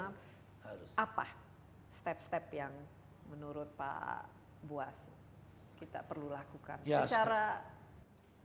apa step step yang menurut pak buas kita perlu lakukan